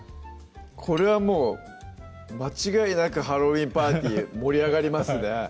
これはもう間違いなくハロウィンパーティー盛り上がりますね